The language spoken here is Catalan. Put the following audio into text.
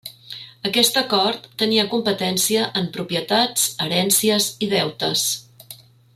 Aquesta cort tenia competència en propietats, herències i deutes.